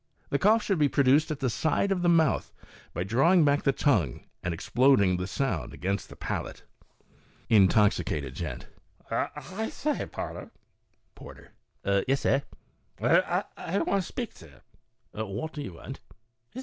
The cough should be produced at the side of the mouth, by drawing back the tongue and exploding the sound against the palate.) Intoxicated Gent. " I say, porter." Porter. " Yes, sir." Intoxicated Gent. "I want speak t'ye." Porter. "What do you want?" Intoxicated Gent.